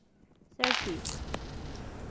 Sers-it.